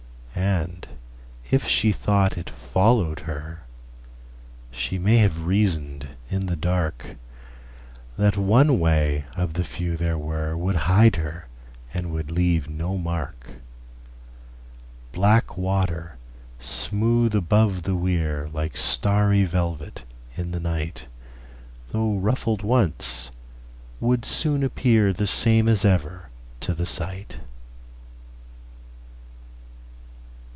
And if she thought it followed her, She may have reasoned in the darkThat one way of the few there wereWould hide her and would leave no mark:Black water, smooth above the weirLike starry velvet in the night, Though ruffled once, would soon appearThe same as ever to the sight.